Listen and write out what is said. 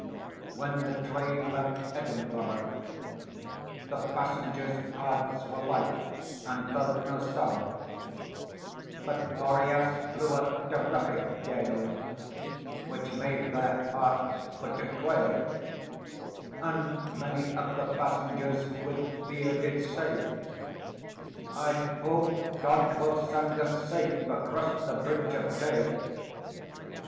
When the train left Edinburgh The passengers' hearts were light and felt no sorrow, But Boreas blew a terrific gale, Which made their hearts for to quail, And many of the passengers with fear did say "I hope God will send us safe across the Bridge of Tay."